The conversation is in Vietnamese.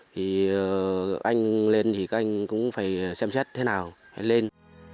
thì anh lên thì các anh cũng phải xem xét thế nào lên